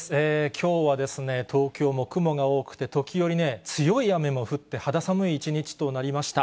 きょうは東京も雲が多くて時折、強い雨も降って、肌寒い一日となりました。